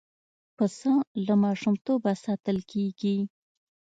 پسه له ماشومتوبه ساتل کېږي.